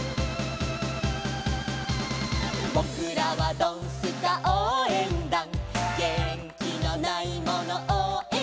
「ぼくらはドンスカおうえんだん」「げんきのないものおうえんだ」